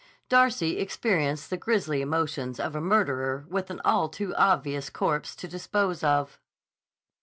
Darcy experienced the grisly emotions of a murderer with an all too obvious corpse to dispose of.